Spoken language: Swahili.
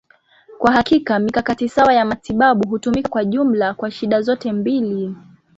Kwa hakika, mikakati sawa ya matibabu hutumika kwa jumla kwa shida zote mbili.